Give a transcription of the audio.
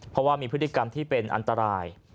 เพราะว่ามีพฤติกรรมที่เป็นอันตราย